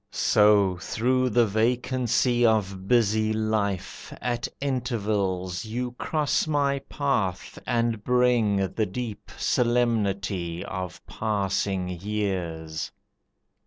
So through the vacancy of busy life At intervals you cross my path and bring The deep solemnity of passing years.